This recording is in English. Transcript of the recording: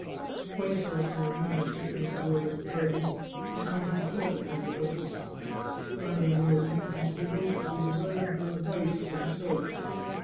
Twice that morning, after Count Zurla's party, the count had called upon the duchess. Finding no admittance, he wrote that he desired her advice for himself.